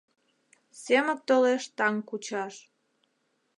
Семык толеш таҥ кучаш.